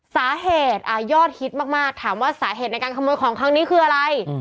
สาเหตุยอดฮิตมากถามว่าสาเหตุในการขโมยของครั้งนี้คืออะไร